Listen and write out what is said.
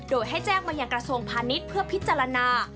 โดยให้แจ้งมาอย่างกระทรวงพาณิชย์เพื่อพิจารณา